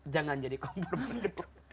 jangan jadi kompor meleduk